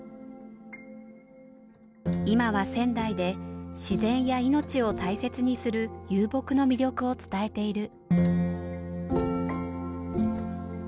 今は仙台で自然や命を大切にする遊牧の魅力を伝えている。